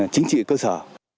chính trị cơ sở